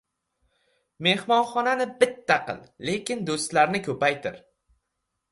• Mehmonxonani bitta qil, lekin do‘stlarni ko‘paytir.